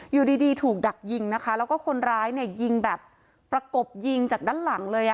อยู่ดีถูกดักยิงนะคะแล้วก็คนร้ายเนี่ยยิงแบบประกบยิงจากด้านหลังเลยอ่ะ